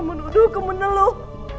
kamu telah menuduhku meneluh